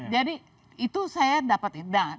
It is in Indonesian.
jadi itu saya dapat